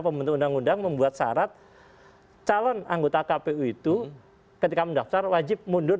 pembentuk undang undang membuat syarat calon anggota kpu itu ketika mendaftar wajib mundur